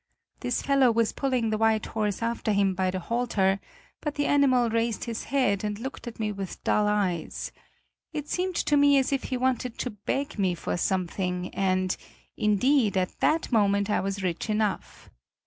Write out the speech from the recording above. This fellow was pulling the white horse after him by the halter; but the animal raised his head and looked at me with dull eyes. It seemed to me as if he wanted to beg me for something and, indeed, at that moment I was rich enough.